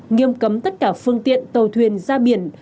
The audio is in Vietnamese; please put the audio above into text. nghiêm cấm tất cả phương tiện tàu thuyền ra biển